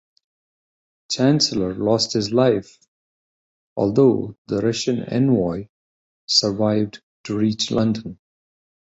Chancellor lost his life, although the Russian envoy survived to reach London.